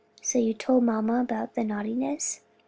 "So you told mamma about the naughtiness?"